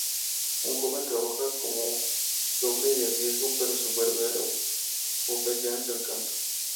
Un joven trabaja como doble de riesgo pero su verdadera vocación es el canto.